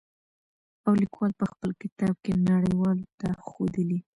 او ليکوال په خپل کتاب کې نړۍ والو ته ښودلي.